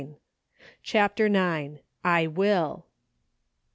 91 CHAPTER IX. I WILL.